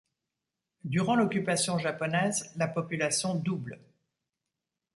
Durant l'occupation japonaise, la population double.